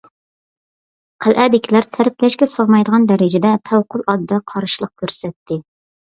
قەلئەدىكىلەر تەرىپلەشكە سىغمايدىغان دەرىجىدە پەۋقۇلئاددە قارشىلىق كۆرسەتتى.